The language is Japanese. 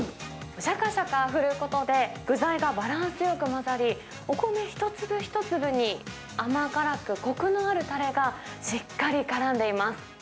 しゃかしゃか振ることで、具材がバランスよく混ざり、お米一粒一粒に甘辛くこくのあるたれがしっかりからんでいます。